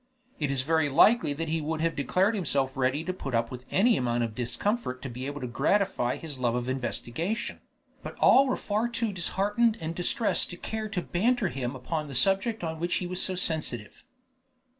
It is very likely that he would have declared himself ready to put up with any amount of discomfort to be able to gratify his love of investigation; but all were far too disheartened and distressed to care to banter him upon the subject on which he was so sensitive.